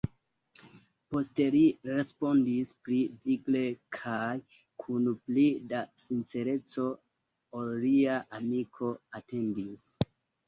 Poste li respondis pli vigle kaj kun pli da sincereco, ol lia amiko atendis: